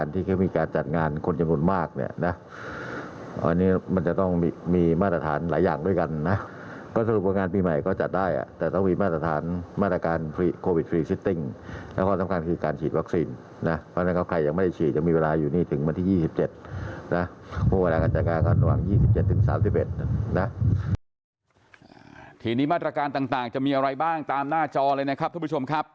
ทีนี้มาตรการต่างจะมีอะไรบ้างตามหน้าจอเลยนะครับทุกผู้ชมครับ